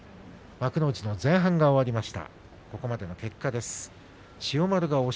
幕内の前半が終わりました。